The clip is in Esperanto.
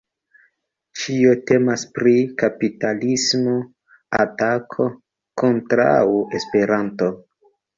Ĉio temas pri kapitalisma atako kontraŭ Esperanto.